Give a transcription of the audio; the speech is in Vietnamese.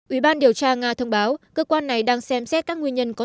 ủy ban điều tra nga thông báo cơ quan này đang xem xét các nguyên nhân của vụ việc